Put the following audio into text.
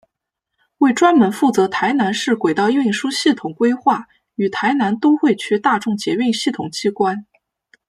为专门负责台南市轨道运输系统规划与台南都会区大众捷运系统机关。